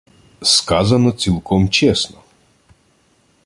Сказано цілком чесно